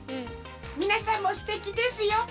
みなさんもすてきですよ。